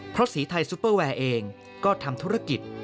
เพราะสีไทยซุปเปอร์แวร์เองก็ทำธุรกิจ